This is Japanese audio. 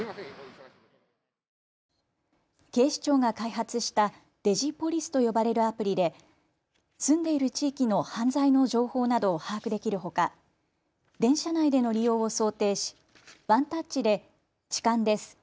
警視庁が開発したＤｉｇｉＰｏｌｉｃｅと呼ばれるアプリで住んでいる地域の犯罪の情報などを把握できるほか電車内での利用を想定しワンタッチで痴漢です。